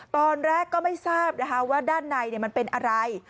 ตอนแรกก็ไม่ทราบนะคะว่าด้านในมันเป็นอะไร